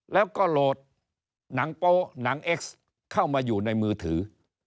แล้วก็โหลดหนังโป๊หนังเอ็กซ์เข้ามาอยู่ในมือถือ